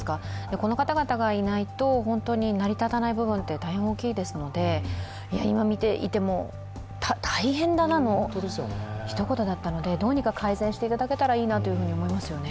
この方々がいないと本当に成り立たない部分って大変大きいですので、今見ていても、大変だなのひと言だったので、どうにか改善していただけたらいいなと思いますよね。